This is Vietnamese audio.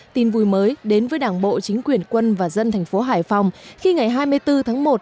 tin vui mới đến với đảng bộ chính quyền quân và dân thành phố hải phòng khi ngày hai mươi bốn tháng một